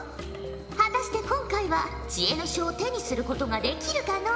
果たして今回は知恵の書を手にすることができるかのう？